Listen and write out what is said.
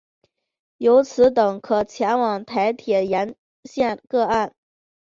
由此等可前往台铁沿线各站。